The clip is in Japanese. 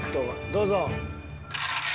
どうぞ。